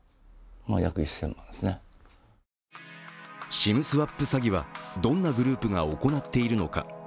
ＳＩＭスワップ詐欺は、どんなグループが行っているのか。